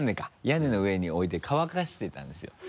屋根の上に置いて乾かしてたんですよ。